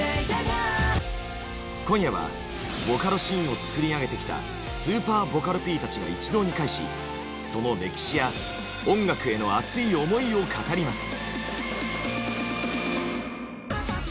今夜はボカロシーンを作り上げてきたスーパーボカロＰたちが一堂に会しその歴史や音楽への熱い思いを語ります。